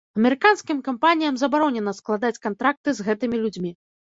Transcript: Амерыканскім кампаніям забаронена складаць кантракты з гэтымі людзьмі.